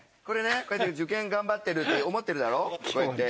これねこうやって受験頑張ってるって思ってるだろ。